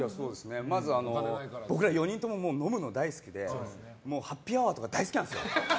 まず、僕ら４人とも飲むのが大好きでハッピーアワーとか大好きなんですよ。